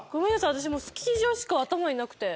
私もうスキー場しか頭になくて。